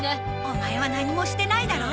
オマエは何もしてないだろ。